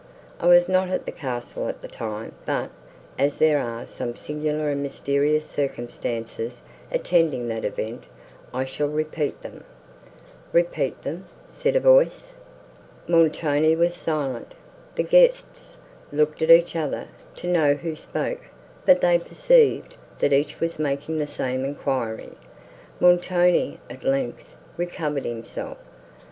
I was not at the castle at the time; but, as there are some singular and mysterious circumstances attending that event, I shall repeat them." "Repeat them!" said a voice. Montoni was silent; the guests looked at each other, to know who spoke; but they perceived, that each was making the same enquiry. Montoni, at length, recovered himself.